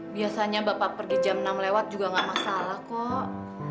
biasanya bapak pergi jam enam lewat juga gak masalah kok